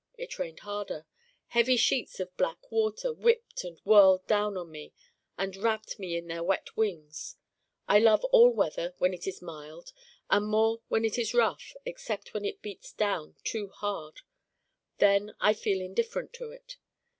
It rained harder. Heavy sheets of black water whipped and whirled down on me and wrapped me in their wet wings. I love all weather when it is mild and more when it is rough except when it bears down too hard: then I feel indifferent to it.